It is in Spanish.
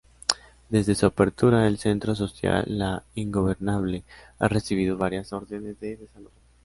Desde su apertura, el centro social La Ingobernable ha recibido varias órdenes de desalojo.